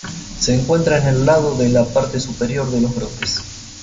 Se encuentra en el lado de la parte superior de los brotes.